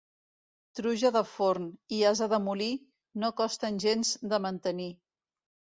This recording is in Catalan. Truja de forn i ase de molí no costen gens de mantenir.